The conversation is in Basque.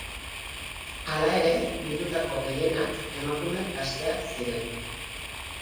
Hala ere, bildutako gehienak emakume gazteak ziren.